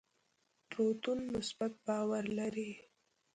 پروتون مثبت بار لري.